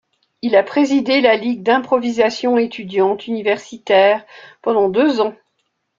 Il a présidé la ligue d'improvisation étudiante universitaire pendant deux ans.